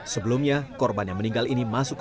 sebelumnya korban yang meninggal ini masuk ke rumah sakit